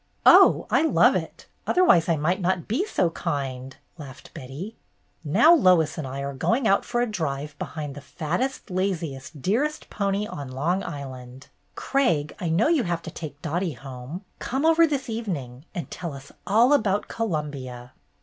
"Oh, I love it! Otherwise I might not be so 'kind,'" laughed Betty. "Now Lois and I are going out for a drive behind the fat test, laziest, dearest pony on Long Island. Craig, I know you have to take Dottie home. Come over this evening, and tell us all about Columbia."